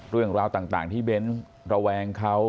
เรื่องราวต่างที่เบ้นระแวงเขา